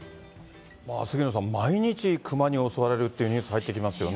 杉野さん、毎日クマに襲われるってニュース入ってきますよね。